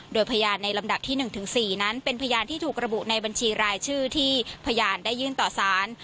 โดยพยานในลำดับที่๑๔นั้นเป็นพยานที่ถูกระบุในบัญชีรายชื่อที่พยานได้ยื่นต่อสาร